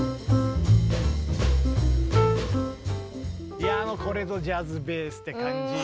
いやもうこれぞジャズベースって感じ。